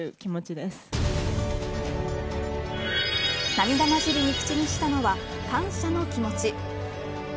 涙交じりに口にしたのは感謝の気持ち。